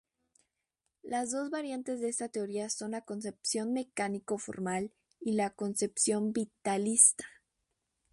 Las dos variantes de esta teoría son la concepción mecánico-formal, y la concepción vitalista.